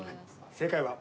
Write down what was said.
正解は。